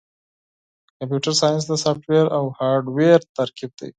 کمپیوټر ساینس د سافټویر او هارډویر ترکیب دی.